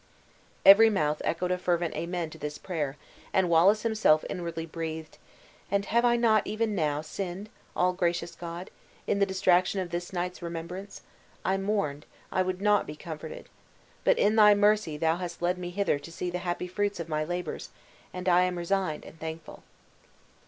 Every mouth echoed a fervent amen to this prayer, and Wallace himself inwardly breathed, "And have I not, even now, sinned, all gracious God! in the distraction of this night's remembrance? I mourned I would not be comforted. But in thy mercy thou hast led me hither to see the happy fruits of my labors; and I am resigned and thankful!"